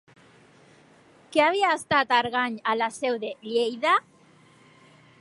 Què havia estat Argany a la Seu de Lleida?